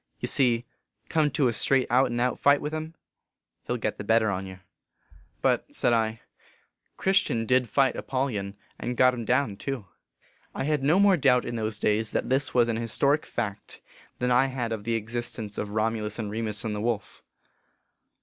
44 Ye see, come to a straight out an out fight with him, he ll git the better on yer." HOW TO FIGHT THE DEVIL. 195 " But," said I, " Christian did fight Apollyon, and got him down too." I had no more doubt in those days that this was an historic fact than I had of the existence of Romulus and Remus and the wolf.